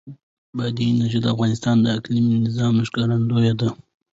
بادي انرژي د افغانستان د اقلیمي نظام ښکارندوی ده.